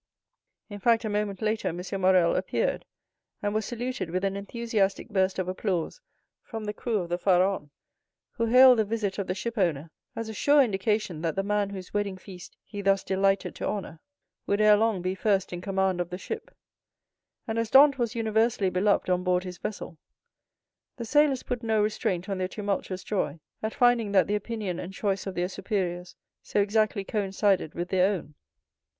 In fact, a moment later M. Morrel appeared and was saluted with an enthusiastic burst of applause from the crew of the Pharaon, who hailed the visit of the shipowner as a sure indication that the man whose wedding feast he thus delighted to honor would ere long be first in command of the ship; and as Dantès was universally beloved on board his vessel, the sailors put no restraint on their tumultuous joy at finding that the opinion and choice of their superiors so exactly coincided with their own.